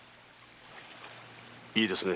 いいですね。